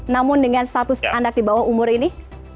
namun dengan status anak di bawah umur ini